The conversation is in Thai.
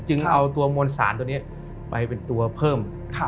เอาตัวมวลสารตัวนี้ไปเป็นตัวเพิ่ม